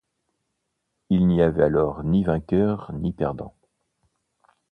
Il n’y a alors ni vainqueur ni perdant.